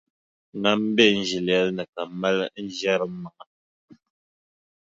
Ŋan be n ʒilɛli ni ka m mali n-ʒiɛri m maŋa.